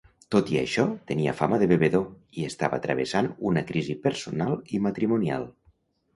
Tot i això, tenia fama de bevedor i estava travessant una crisi personal i matrimonial.